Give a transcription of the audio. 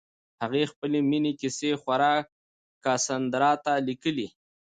هغې خپلې مینې کیسې خور کاساندرا ته لیکلې.